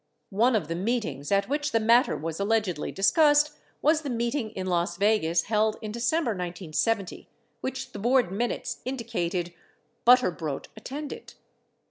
One of the meetings at which the matter was allegedly discussed was the meeting in Las Vegas, held in December 1970, which the Board minutes indicated Butterbrodt attended.